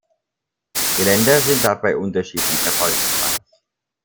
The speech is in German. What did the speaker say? Die Länder sind dabei unterschiedlich „erfolgreich“.